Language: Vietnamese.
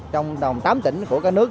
trong tám tỉnh của các nước